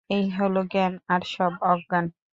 এই হল জ্ঞান, আর সব অজ্ঞান।